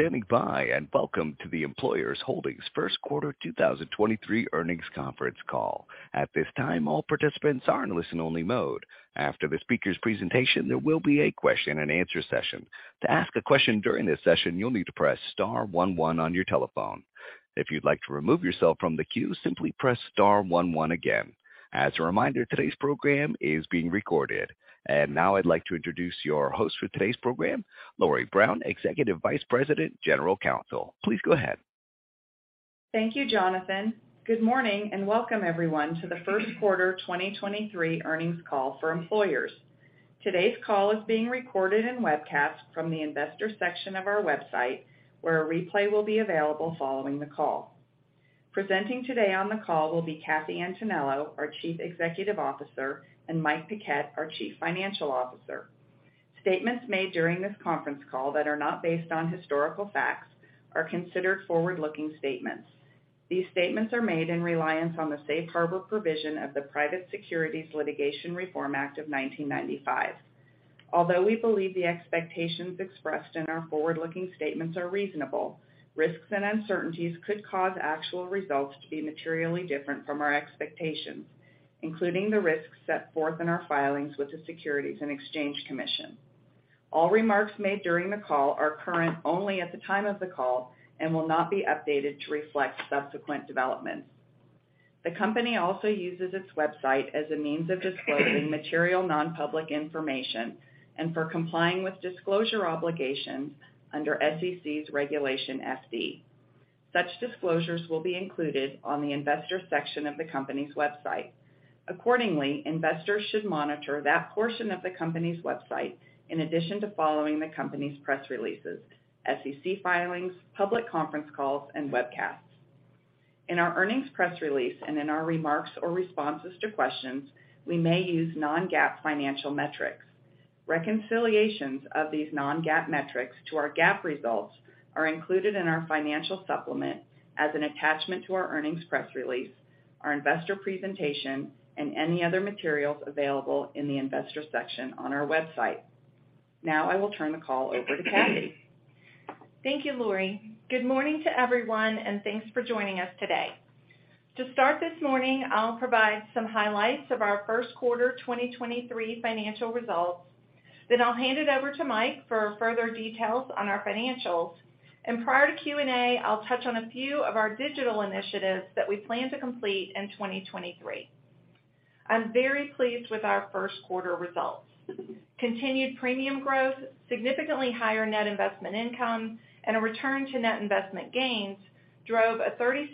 Thank you for standing by, and welcome to the Employers Holdings first quarter 2023 Earnings Conference Call. At this time, all participants are in listen-only mode. After the speaker's presentation, there will be a question-and-answer session. To ask a question during this session, you'll need to press star one one on your telephone. If you'd like to remove yourself from the queue, simply press star one one again. As a reminder, today's program is being recorded. Now I'd like to introduce your host for today's program, Lori Brown, Executive Vice President, General Counsel. Please go ahead. Thank you, Jonathan. Good morning, and welcome everyone to the first quarter 2023 earnings call for Employers. Today's call is being recorded and webcast from the Investors section of our website, where a replay will be available following the call. Presenting today on the call will be Kathy Antonello, our Chief Executive Officer, and Mike Paquette, our Chief Financial Officer. Statements made during this conference call that are not based on historical facts are considered forward-looking statements. These statements are made in reliance on the safe harbor provision of the Private Securities Litigation Reform Act of 1995. Although we believe the expectations expressed in our forward-looking statements are reasonable, risks and uncertainties could cause actual results to be materially different from our expectations, including the risks set forth in our filings with the Securities and Exchange Commission. All remarks made during the call are current only at the time of the call and will not be updated to reflect subsequent developments. The company also uses its website as a means of disclosing material non-public information and for complying with disclosure obligations under SEC's Regulation FD. Such disclosures will be included on the Investors section of the company's website. Accordingly, investors should monitor that portion of the company's website in addition to following the company's press releases, SEC filings, public conference calls, and webcasts. In our earnings press release and in our remarks or responses to questions, we may use non-GAAP financial metrics. Reconciliations of these non-GAAP metrics to our GAAP results are included in our financial supplement as an attachment to our earnings press release, our investor presentation, and any other materials available in the Investors section on our website. Now I will turn the call over to Kathy. Thank you, Lori. Good morning to everyone, and thanks for joining us today. To start this morning, I'll provide some highlights of our first quarter 2023 financial results. I'll hand it over to Mike for further details on our financials. Prior to Q&A, I'll touch on a few of our digital initiatives that we plan to complete in 2023. I'm very pleased with our first quarter results. Continued premium growth, significantly higher net investment income, and a return to net investment gains drove a 36%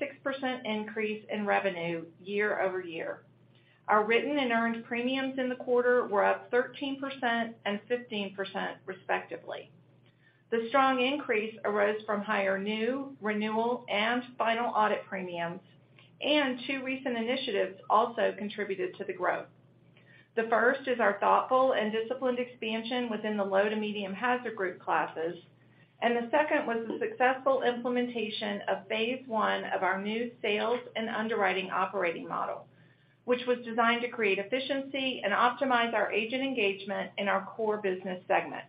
increase in revenue year-over-year. Our written and earned premiums in the quarter were up 13% and 15% respectively. The strong increase arose from higher new, renewal, and final audit premiums, and two recent initiatives also contributed to the growth. The first is our thoughtful and disciplined expansion within the low to medium hazard group classes, the second was the successful implementation of phase one of our new sales and underwriting operating model, which was designed to create efficiency and optimize our agent engagement in our core business segment.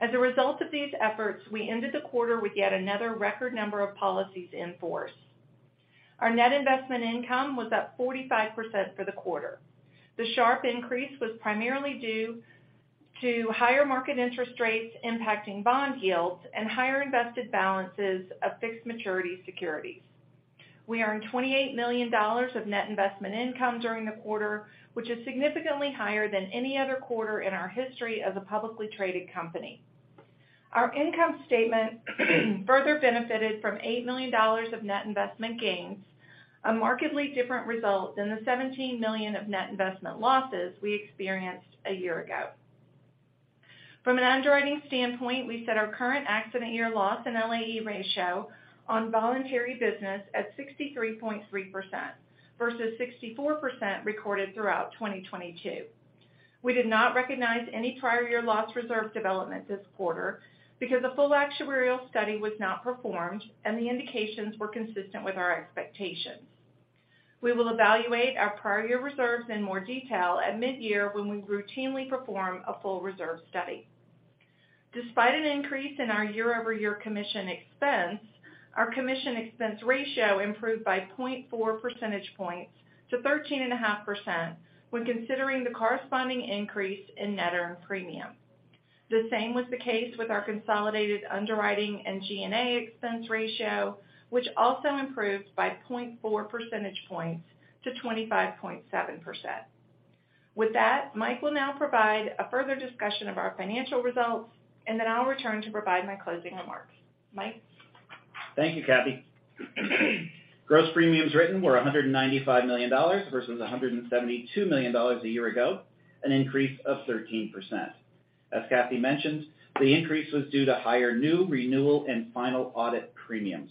As a result of these efforts, we ended the quarter with yet another record number of policies in force. Our net investment income was up 45% for the quarter. The sharp increase was primarily due to higher market interest rates impacting bond yields and higher invested balances of fixed maturity securities. We earned $28 million of net investment income during the quarter, which is significantly higher than any other quarter in our history as a publicly traded company. Our income statement further benefited from $8 million of net investment gains, a markedly different result than the $17 million of net investment losses we experienced a year ago. From an underwriting standpoint, we set our current accident year loss and LAE ratio on voluntary business at 63.3% versus 64% recorded throughout 2022. We did not recognize any prior year loss reserve development this quarter because a full actuarial study was not performed and the indications were consistent with our expectations. We will evaluate our prior year reserves in more detail at mid-year when we routinely perform a full reserve study. Despite an increase in our year-over-year commission expense, our commission expense ratio improved by 0.4 percentage points to 13.5% when considering the corresponding increase in net earned premium. The same was the case with our consolidated underwriting and G&A expense ratio, which also improved by 0.4 percentage points to 25.7%. Mike will now provide a further discussion of our financial results, and then I'll return to provide my closing remarks. Mike? Thank you, Kathy. Gross premiums written were $195 million versus $172 million a year ago, an increase of 13%. As Kathy mentioned, the increase was due to higher new, renewal, and final audit premiums.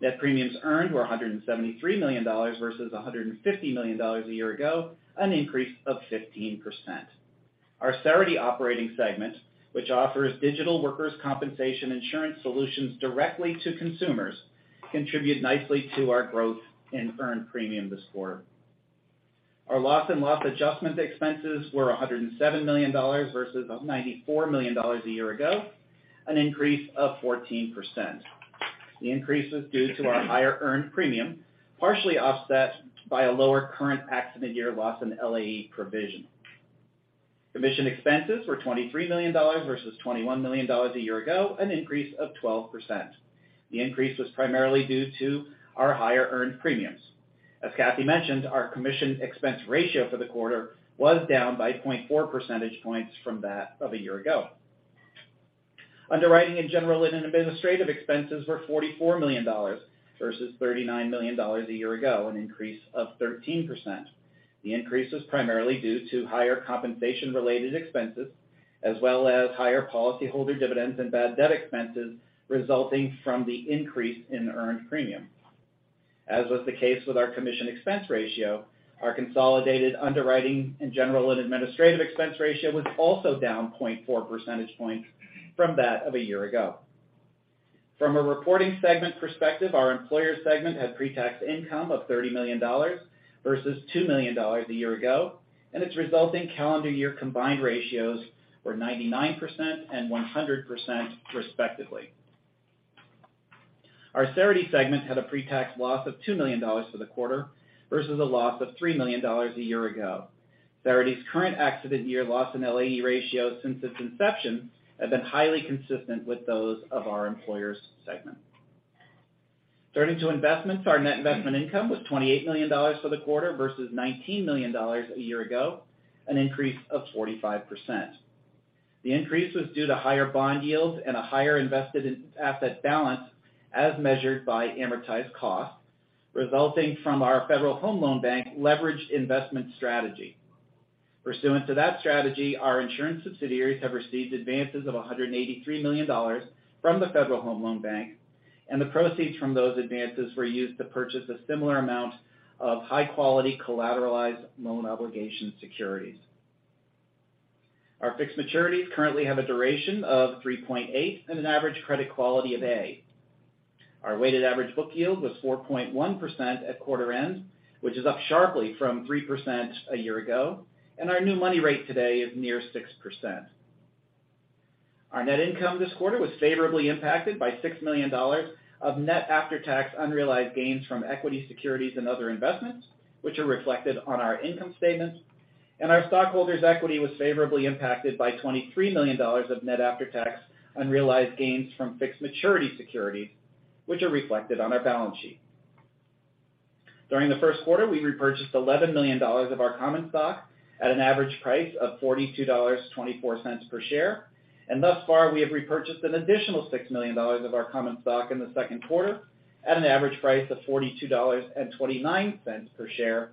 Net premiums earned were $173 million versus $150 million a year ago, an increase of 15%. Our Cerity operating segment, which offers digital workers' compensation insurance solutions directly to consumers, contribute nicely to our growth in earned premium this quarter. Our loss and loss adjustment expenses were $107 million versus $94 million a year ago, an increase of 14%. The increase is due to our higher earned premium, partially offset by a lower current accident year loss in LAE provision. Commission expenses were $23 million versus $21 million a year ago, an increase of 12%. The increase was primarily due to our higher earned premiums. As Kathy mentioned, our commission expense ratio for the quarter was down by 0.4 percentage points from that of a year ago. Underwriting in general and administrative expenses were $44 million versus $39 million a year ago, an increase of 13%. The increase was primarily due to higher compensation-related expenses as well as higher policyholder dividends and bad debt expenses resulting from the increase in earned premium. As was the case with our commission expense ratio, our consolidated underwriting and general and administrative expense ratio was also down 0.4 percentage points from that of a year ago. From a reporting segment perspective, our Employers segment had pretax income of $30 million versus $2 million a year ago, and its resulting calendar year combined ratios were 99% and 100%, respectively. Our Cerity segment had a pretax loss of $2 million for the quarter versus a loss of $3 million a year ago. Cerity's current accident year loss in LAE ratios since its inception have been highly consistent with those of our Employers segment. Turning to investments, our net investment income was $28 million for the quarter versus $19 million a year ago, an increase of 45%. The increase was due to higher bond yields and a higher invested in asset balance as measured by amortized cost, resulting from our Federal Home Loan Bank leveraged investment strategy. Pursuant to that strategy, our insurance subsidiaries have received advances of $183 million from the Federal Home Loan Bank. The proceeds from those advances were used to purchase a similar amount of high-quality collateralized loan obligation securities. Our fixed maturities currently have a duration of 3.8 and an average credit quality of A. Our weighted average book yield was 4.1% at quarter end, which is up sharply from 3% a year ago. Our new money rate today is near 6%. Our net income this quarter was favorably impacted by $6 million of net after-tax unrealized gains from equity, securities, and other investments, which are reflected on our income statements. Our stockholders' equity was favorably impacted by $23 million of net after-tax unrealized gains from fixed maturity securities, which are reflected on our balance sheet. During the first quarter, we repurchased $11 million of our common stock at an average price of $42.24 per share, and thus far, we have repurchased an additional $6 million of our common stock in the second quarter at an average price of $42.29 per share.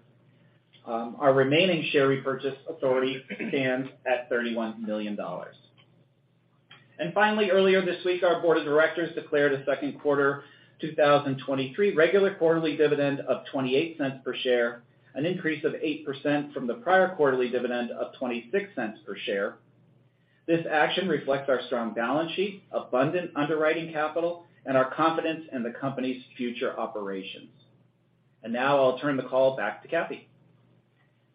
Our remaining share repurchase authority stands at $31 million. Finally, earlier this week, our board of directors declared a second quarter 2023 regular quarterly dividend of $0.28 per share, an increase of 8% from the prior quarterly dividend of $0.26 per share. This action reflects our strong balance sheet, abundant underwriting capital, and our confidence in the company's future operations. Now I'll turn the call back to Kathy.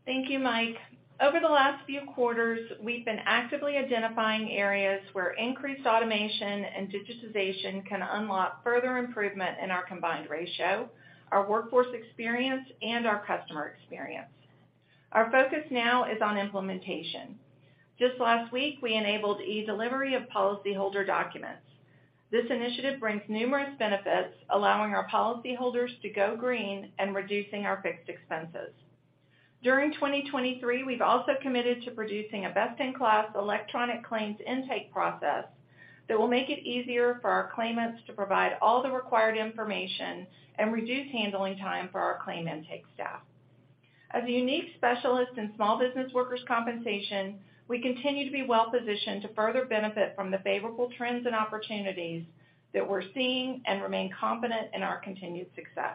Thank you, Mike. Over the last few quarters, we've been actively identifying areas where increased automation and digitization can unlock further improvement in our combined ratio, our workforce experience, and our customer experience. Our focus now is on implementation. Just last week, we enabled e-delivery of policyholder documents. This initiative brings numerous benefits, allowing our policyholders to go green and reducing our fixed expenses. During 2023, we've also committed to producing a best-in-class electronic claims intake process that will make it easier for our claimants to provide all the required information and reduce handling time for our claim intake staff. As a unique specialist in small business workers' compensation, we continue to be well-positioned to further benefit from the favorable trends and opportunities that we're seeing and remain confident in our continued success.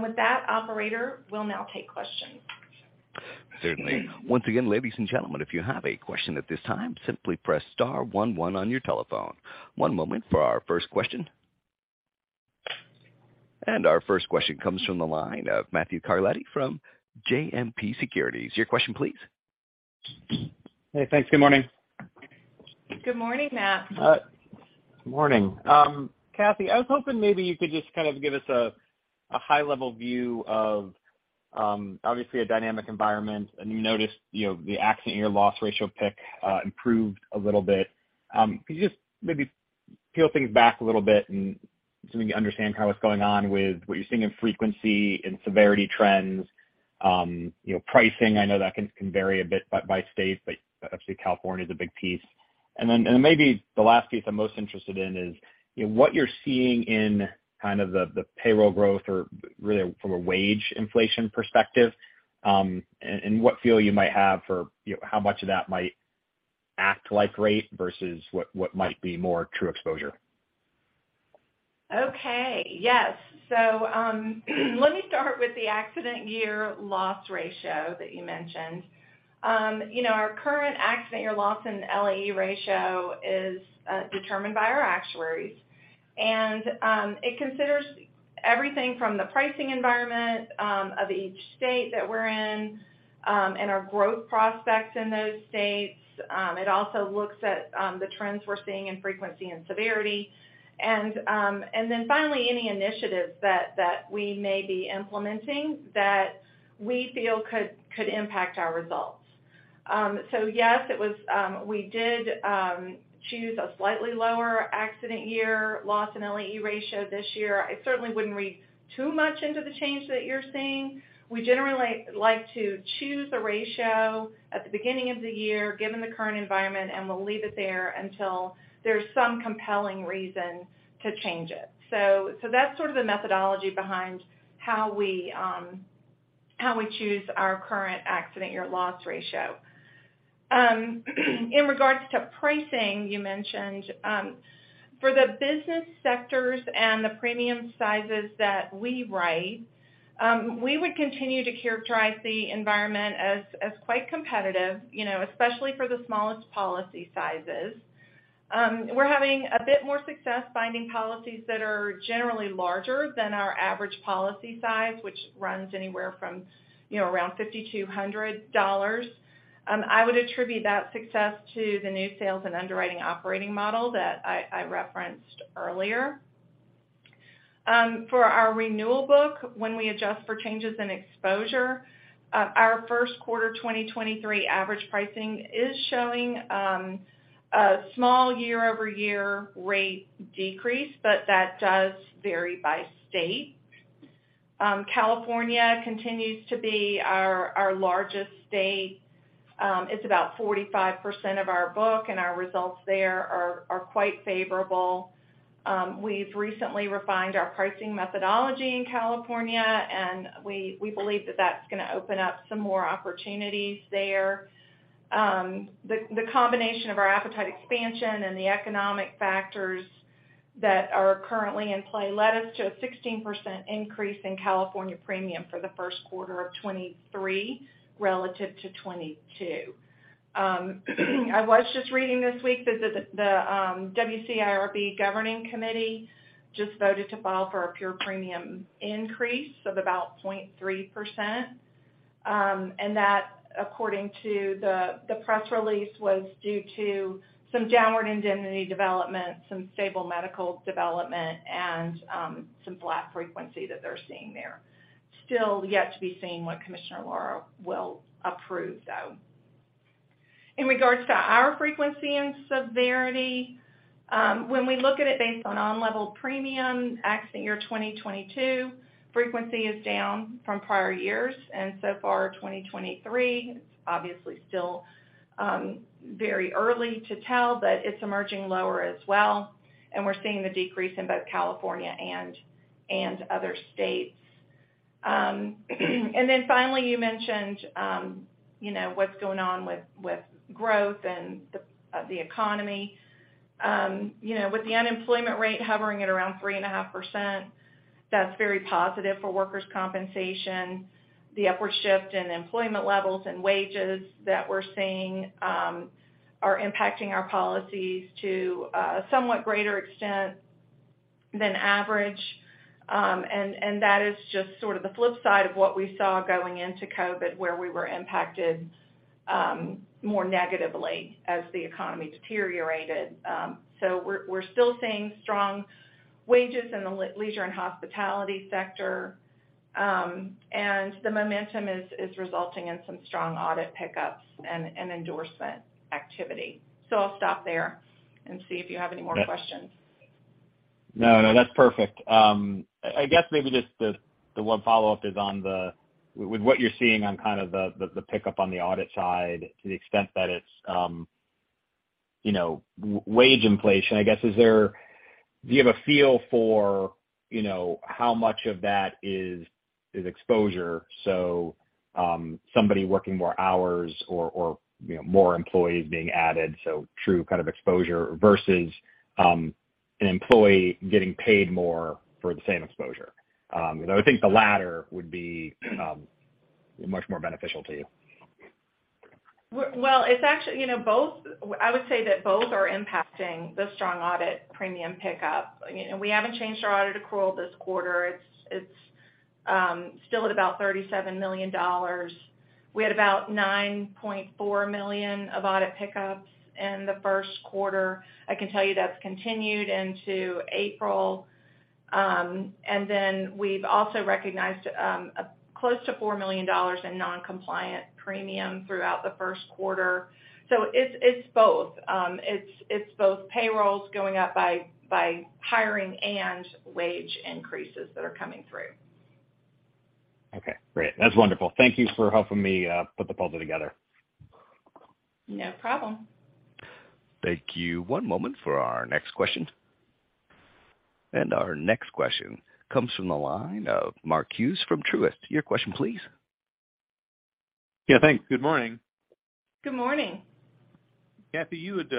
With that, operator, we'll now take questions. Certainly. Once again, ladies and gentlemen, if you have a question at this time, simply press star one one on your telephone. One moment for our first question. Our first question comes from the line of Matthew Carletti from JMP Securities. Your question, please. Hey, thanks. Good morning. Good morning, Matt. Good morning. Kathy, I was hoping maybe you could just kind of give us a high-level view of obviously a dynamic environment. You noticed, you know, the accident year loss ratio pick improved a little bit. Could you just maybe peel things back a little bit we can understand kind of what's going on with what you're seeing in frequency and severity trends, you know, pricing, I know that can vary a bit by state, but obviously California is a big piece. Then maybe the last piece I'm most interested in is, you know, what you're seeing in kind of the payroll growth or really from a wage inflation perspective, and what feel you might have for, you know, how much of that might act like rate versus what might be more true exposure. Okay. Yes. Let me start with the accident year loss ratio that you mentioned. You know, our current accident year loss in LAE ratio is determined by our actuaries. And it considers everything from the pricing environment of each state that we're in and our growth prospects in those states. It also looks at the trends we're seeing in frequency and severity. Then finally, any initiatives that we may be implementing that we feel could impact our results. Yes, it was, we did choose a slightly lower accident year loss and LAE ratio this year. I certainly wouldn't read too much into the change that you're seeing. We generally like to choose a ratio at the beginning of the year, given the current environment, and we'll leave it there until there's some compelling reason to change it. That's sort of the methodology behind how we choose our current accident year loss ratio. In regards to pricing, you mentioned, for the business sectors and the premium sizes that we write, we would continue to characterize the environment as quite competitive, you know, especially for the smallest policy sizes. We're having a bit more success finding policies that are generally larger than our average policy size, which runs anywhere from, you know, around $50-$100. I would attribute that success to the new sales and underwriting operating model that I referenced earlier. For our renewal book, when we adjust for changes in exposure, our first quarter 2023 average pricing is showing a small year-over-year rate decrease. That does vary by state. California continues to be our largest state. It's about 45% of our book. Our results there are quite favorable. We've recently refined our pricing methodology in California. We believe that that's gonna open up some more opportunities there. The combination of our appetite expansion and the economic factors that are currently in play led us to a 16% increase in California premium for the first quarter of 23 relative to 22. I was just reading this week that the WCIRB governing committee just voted to file for a pure premium increase of about 0.3%. That, according to the press release, was due to some downward indemnity development, some stable medical development, and some flat frequency that they're seeing there. Still yet to be seen what Commissioner Lara will approve, though. In regards to our frequency and severity, when we look at it based on on-level premium, accident year 2022, frequency is down from prior years. So far, 2023, it's obviously still very early to tell, but it's emerging lower as well, and we're seeing the decrease in both California and other states. Finally you mentioned, you know, what's going on with growth and the economy. You know, with the unemployment rate hovering at around 3.5%, that's very positive for workers' compensation. The upward shift in employment levels and wages that we're seeing are impacting our policies to a somewhat greater extent than average. That is just sort of the flip side of what we saw going into COVID, where we were impacted more negatively as the economy deteriorated. We're still seeing strong wages in the leisure and hospitality sector. The momentum is resulting in some strong audit pickups and endorsement activity. I'll stop there and see if you have any more questions. No, no, that's perfect. I guess maybe just the one follow-up is with what you're seeing on kind of the pickup on the audit side to the extent that it's, you know, wage inflation, I guess, do you have a feel for, you know, how much of that is exposure, so, somebody working more hours or, you know, more employees being added, so true kind of exposure versus, an employee getting paid more for the same exposure? You know, I think the latter would be much more beneficial to you. Well, it's actually, you know, both. I would say that both are impacting the strong audit premium pickup. You know, we haven't changed our audit accrual this quarter. It's still at about $37 million. We had about $9.4 million of audit pickups in the first quarter. I can tell you that's continued into April. Then we've also recognized a close to $4 million in non-compliant premium throughout the first quarter. It's both. It's both payrolls going up by hiring and wage increases that are coming through. Okay, great. That's wonderful. Thank you for helping me put the puzzle together. No problem. Thank you. One moment for our next question. Our next question comes from the line of Mark Hughes from Truist. Your question please. Yeah, thanks. Good morning. Good morning. Kathy, you had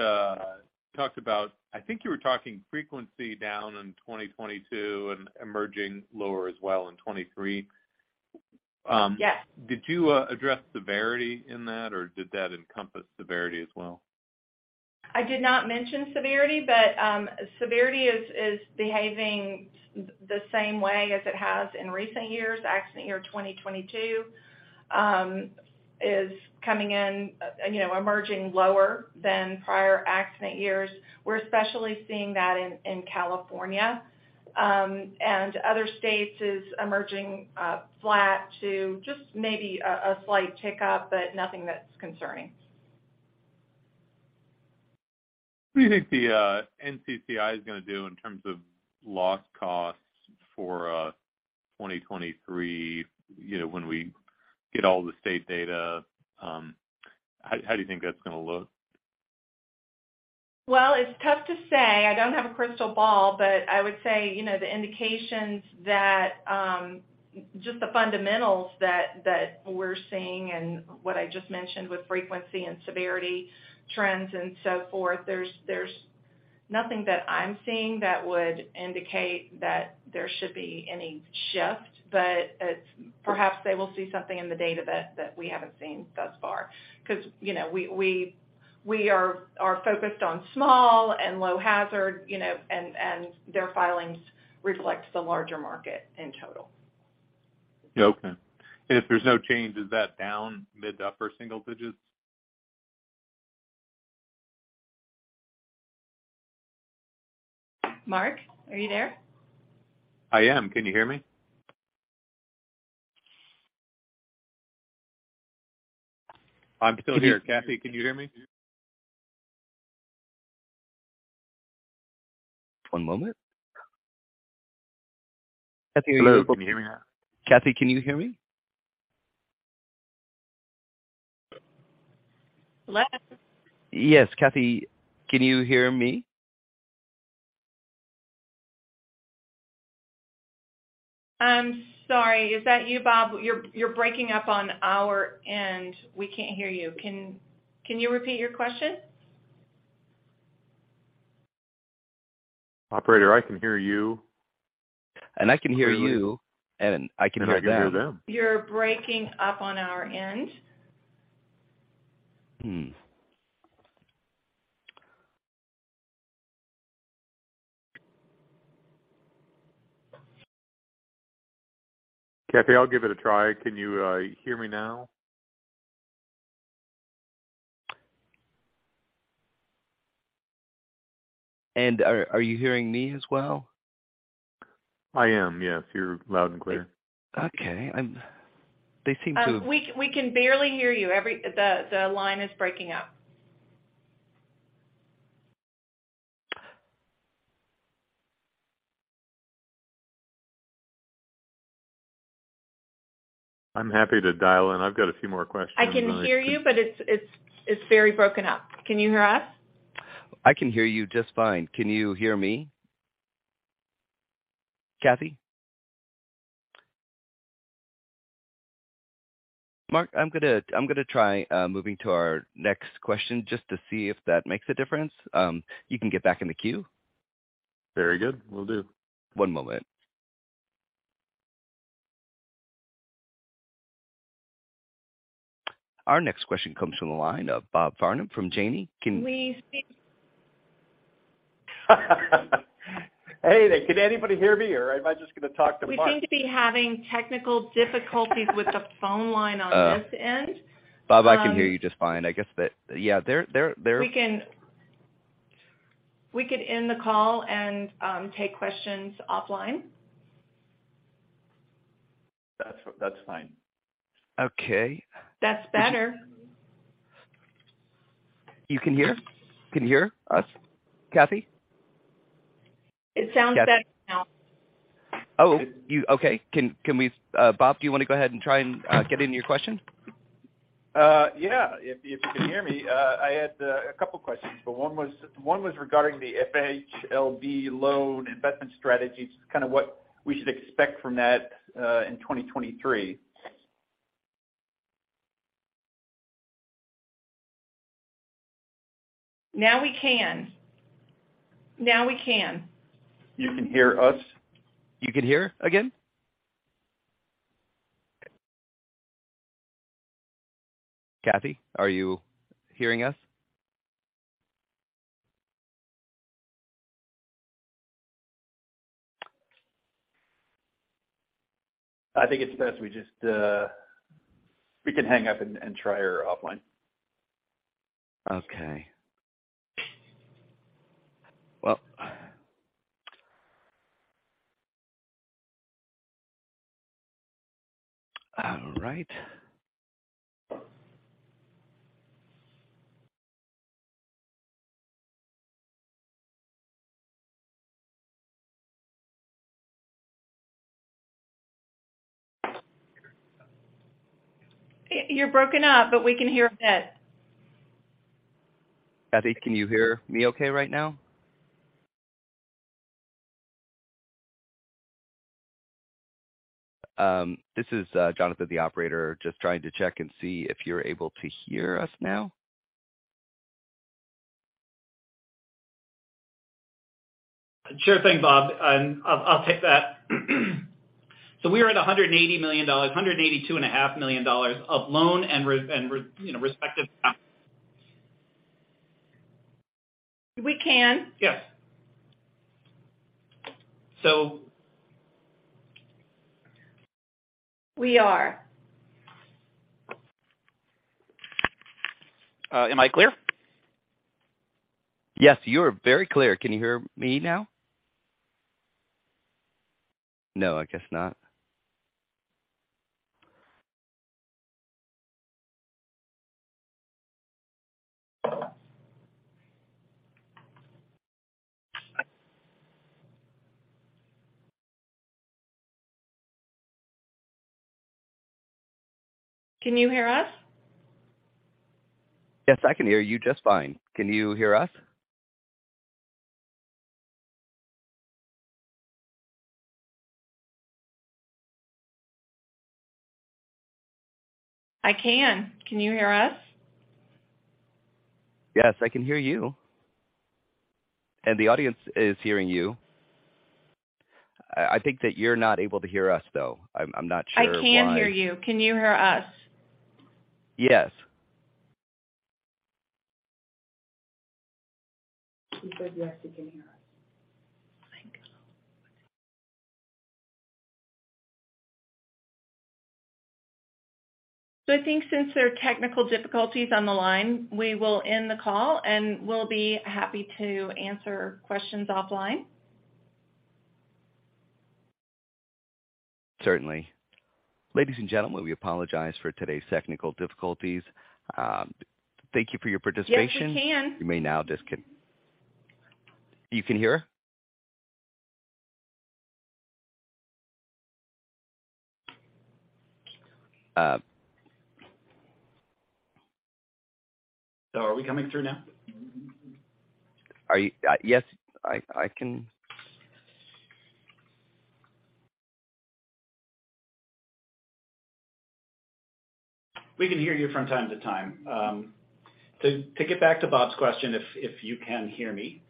talked about, I think you were talking frequency down in 2022 and emerging lower as well in 2023. Did you address severity in that, or did that encompass severity as well? I did not mention severity is behaving the same way as it has in recent years. Accident year 2022 is coming in, you know, emerging lower than prior accident years. We're especially seeing that in California. Other states is emerging flat to just maybe a slight tick up, but nothing that's concerning. What do you think the NCCI is gonna do in terms of loss costs for 2023, you know, when we get all the state data, how do you think that's gonna look? Well, it's tough to say. I don't have a crystal ball. I would say, you know, the indications that just the fundamentals that we're seeing and what I just mentioned with frequency and severity trends and so forth, there's nothing that I'm seeing that would indicate that there should be any shift. Perhaps they will see something in the data that we haven't seen thus far. 'Cause, you know, we are focused on small and low hazard, you know, and their filings reflect the larger market in total. Yeah. Okay. If there's no change, is that down mid to upper single digits? Mark, are you there? I am. Can you hear me? I'm still here. Kathy, can you hear me? One moment. Kathy, are you. Hello. Can you hear me? Kathy, can you hear me? Hello? Yes. Kathy, can you hear me? I'm sorry. Is that you, Bob? You're breaking up on our end. We can't hear you. Can you repeat your question? Operator, I can hear you. I can hear you, and I can hear them. I can hear them. You're breaking up on our end. Hmm. Kathy, I'll give it a try. Can you hear me now? Are you hearing me as well? I am, yes. You're loud and clear. Okay. We can barely hear you. The line is breaking up. I'm happy to dial in. I've got a few more questions. I can hear you, but it's very broken up. Can you hear us? I can hear you just fine. Can you hear me? Kathy? Mark, I'm gonna try moving to our next question just to see if that makes a difference. You can get back in the queue. Very good. Will do. One moment. Our next question comes from the line of Bob Farnam from Janney. We Hey, can anybody hear me, or am I just gonna talk to Mark? We seem to be having technical difficulties with the phone line on this end. Bob, I can hear you just fine. I guess that. Yeah. We could end the call and, take questions offline. That's fine. Okay. That's better. You can hear? Can you hear us, Kathy? It sounds better now. Okay. Can we, Bob, do you wanna go ahead and try and get into your question? Yeah, if you can hear me. I had a couple questions, but one was regarding the FHLB loan investment strategies, kind of what we should expect from that in 2023. Now we can. Now we can. You can hear us? You can hear again? Kathy, are you hearing us? I think it's best we just, We can hang up and try her offline. Okay. Well, All right. You're broken up, but we can hear a bit. Kathy, can you hear me okay right now? This is Jonathan, the operator, just trying to check and see if you're able to hear us now. Sure thing, Bob. I'll take that. We are at $180 million, $182 and a half million of loan, you know, respective We can. Yes. We are. Am I clear? Yes, you're very clear. Can you hear me now? No, I guess not. Can you hear us? Yes, I can hear you just fine. Can you hear us? I can. Can you hear us? Yes, I can hear you. The audience is hearing you. I think that you're not able to hear us, though. I'm not sure why. I can hear you. Can you hear us? Yes. I think since there are technical difficulties on the line, we will end the call, and we'll be happy to answer questions offline. Certainly. Ladies and gentlemen, we apologize for today's technical difficulties. Thank you for your participation. Yes, we can. You can hear? Are we coming through now? Yes, I can. We can hear you from time to time. To get back to Bob's question, if you can hear me,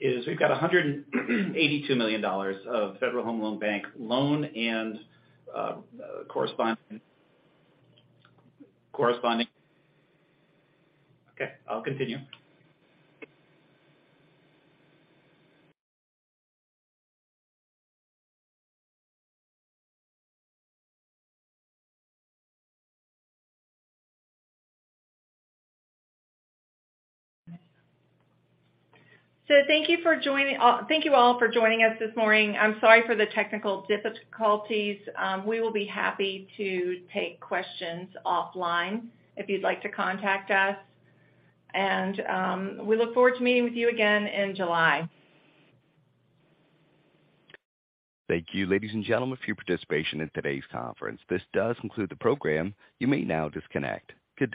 is we've got $182 million of Federal Home Loan Bank loan and corresponding. Okay, I'll continue. Thank you all for joining us this morning. I'm sorry for the technical difficulties. We will be happy to take questions offline if you'd like to contact us. We look forward to meeting with you again in July. Thank you, ladies and gentlemen, for your participation in today's conference. This does conclude the program. You may now disconnect. Good day.